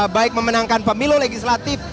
baik memenangkan pemilu legislatif